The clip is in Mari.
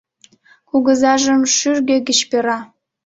Кугызажым шӱргӧ гыч пера: